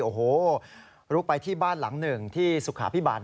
โอ้โฮรุกไปที่บ้านหลัง๑ที่สุขาพิบาล๕